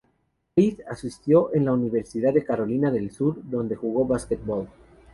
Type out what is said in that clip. Reed asistió en la Universidad de Carolina del Sur, dónde jugó basketball.